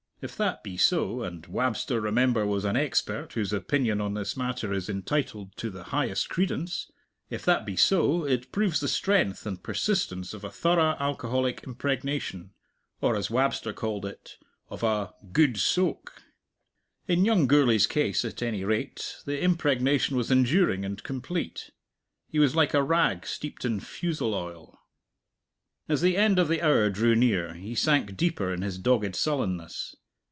If that be so and Wabster, remember, was an expert whose opinion on this matter is entitled to the highest credence if that be so, it proves the strength and persistence of a thorough alcoholic impregnation, or, as Wabster called it, of "a good soak." In young Gourlay's case, at any rate, the impregnation was enduring and complete. He was like a rag steeped in fusel oil. As the end of the hour drew near, he sank deeper in his dogged sullenness.